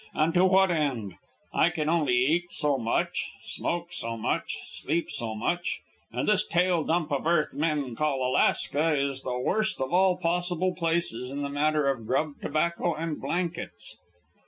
And to what end? I can only eat so much, smoke so much, sleep so much, and this tail dump of earth men call Alaska is the worst of all possible places in the matter of grub, tobacco, and blankets."